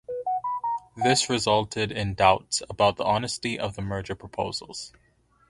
This resulted in doubts about the honesty of the merger proposals.